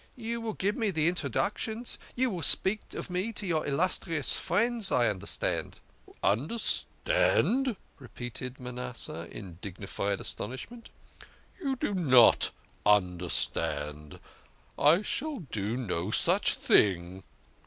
You will give me introductions, you will speak of me to your illustrious friends, I understand." " You understand !" repeated Manasseh in dignified as tonishment. " You do not understand. I shall do no such thing."